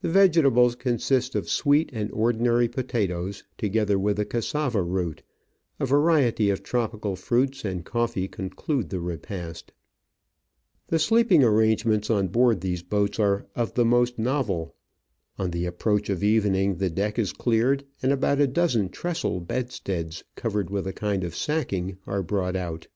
The vegetables consist of sweet and ordinary potatoes, together with the cassava root; a variety of tropical fruits and coffee conclude the repast. BEDSTEAD WITH MOSQUITO NET USED ON THE MAGDALENA STEAMBOAT. The sleeping arrangements on board these boats are of the most novel. On the approach of evening the deck is cleared, and about a dozen trestle bedsteads, covered with a kind of sacking, are brought out.